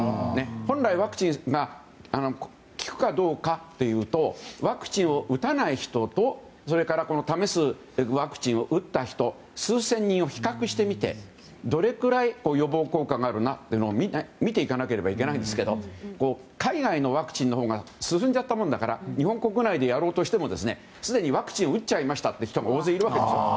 本来ワクチンが効くかどうかというとワクチンを打たない人とそれから試すワクチンを打った人数千人を比較してみてどれくらい予防効果があるなというのを見ていかなければいけないんですけど海外のワクチンのほうが進んじゃったものだから日本国内でやろうとしてもすでにワクチンを打っちゃいましたという人が大勢いるわけでしょ。